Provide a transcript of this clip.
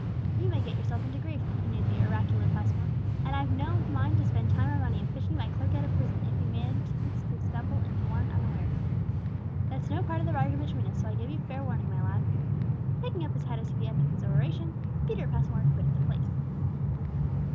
You may get yourself into grief," continued the oracular Passmore; "and I've no mind to spend time or money in fishing my clerk out of prison, if he manage to stumble into one unawares. That's no part of the bargain between us; so I give you fair warning, my lad." Taking up his hat as he ended his oration, Peter Passmore quitted the place.